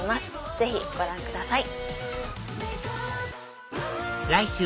ぜひご覧ください。